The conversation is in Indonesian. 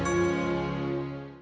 aku mau pak